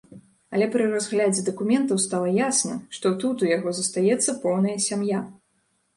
Але пры разглядзе дакументаў стала ясна, што тут у яго застаецца поўная сям'я.